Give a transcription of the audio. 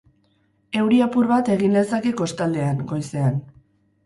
Euri apur bat egin lezake kostaldean, goizean.